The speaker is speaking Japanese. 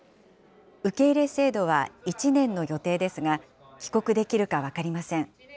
受け入れ制度は１年の予定ですが、帰国できるか分かりません。